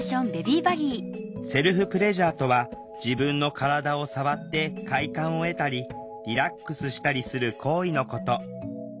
セルフプレジャーとは自分の体を触って快感を得たりリラックスしたりする行為のこと。